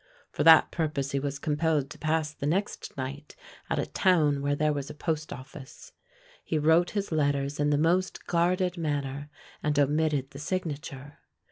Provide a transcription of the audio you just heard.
For that purpose he was compelled to pass the next night at a town where there was a post office. He wrote his letters in the most guarded manner, and omitted the signature.